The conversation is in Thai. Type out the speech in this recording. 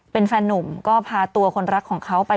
เป็นแฟนนุ่มก็พาตัวคนรักของเขาไป